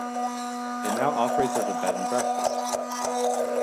It now operates as a bed and breakfast.